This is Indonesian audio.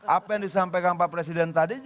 apa yang disampaikan pak presiden tadi